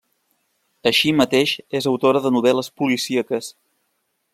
Així mateix, és autora de novel·les policíaques.